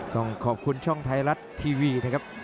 ต้องขอบคุณช่องไทยรัฐทีวีนะครับ